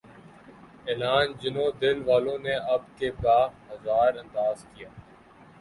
اعلان جنوں دل والوں نے اب کے بہ ہزار انداز کیا